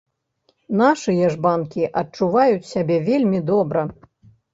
Нашыя ж банкі адчуваюць сябе вельмі добра.